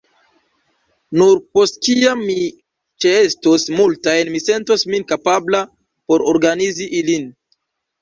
Nur post kiam mi ĉeestos multajn mi sentos min kapabla por organizi ilin.